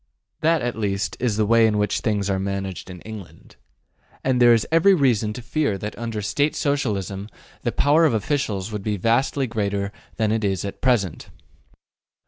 That at least is the way in which things are managed in England. And there is every reason to fear that under State Socialism the power of officials would be vastly greater than it is at present.